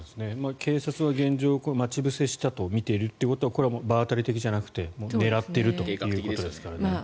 警察は現状待ち伏せしたとみているということはこれは場当たり的じゃなくて狙っているということですからね。